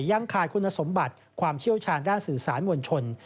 ยังขาดคุณสมบัติความเชี่ยวชาญด้านสื่อสารมวลชน